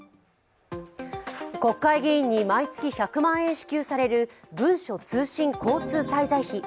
国会議員に毎月１００万円支給される文書通信交通滞在費。